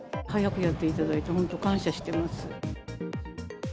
早くやっていただいて、本当感謝してます。